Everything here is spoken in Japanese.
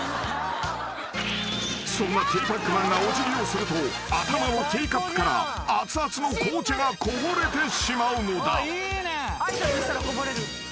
［そんなティーパックマンがおじぎをすると頭のティーカップからあつあつの紅茶がこぼれてしまうのだ］